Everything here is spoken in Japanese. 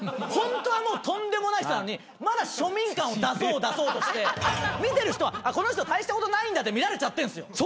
ホントはもうとんでもない人なのにまだ庶民感を出そう出そうとして見てる人はこの人大したことないんだって見られちゃってるんすよ。